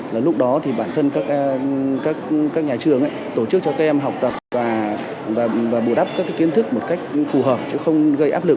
là lúc đó thì bản thân các nhà trường tổ chức cho các em học tập và bù đắp các kiến thức một cách phù hợp chứ không gây áp lực